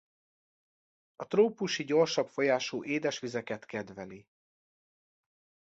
A trópusi gyorsabb folyású édesvizeket kedveli.